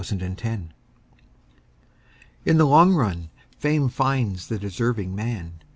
IN THE LONG RUN In the long run fame finds the deserving man.